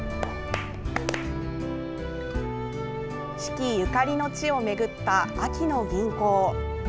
子規ゆかりの地を巡った秋の吟行。